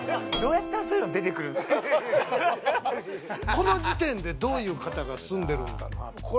この時点で、どういう方が住んでいるのか。